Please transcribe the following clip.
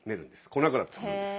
粉から作るんです。